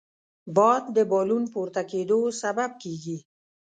باد د بالون پورته کېدو سبب کېږي